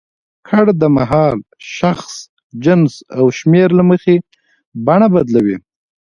کړ د مهال، شخص، جنس او شمېر له مخې بڼه بدلوي.